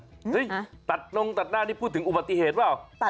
เฮ้ยตัดน้องตัดหน้านี่พูดถึงอุบัติเหตุหรือเปล่า